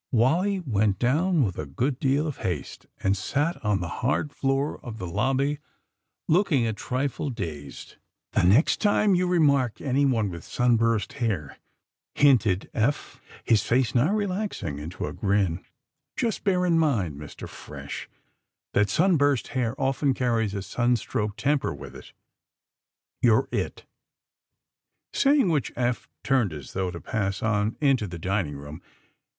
Wally went down with a good deal of haste, and sat on the hard floor of the lobby, looking a trifle dazed. ^^The next time you remark anyone with sun burst hair," hinted Eph, his face now relaxing into a grin, ^^ just try to bear in mind, Mr. Fresh, that sunburst hair often carries a sun stroke temper with it. You 're it !" Saying which Eph turned as though to pass on into the dining room.